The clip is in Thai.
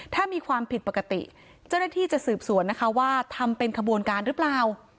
ถ้ามีความผิดปกติเจ้าหน้าที่จะสืบสวนนะคะว่าทำเป็นขบวนการหรือเปล่า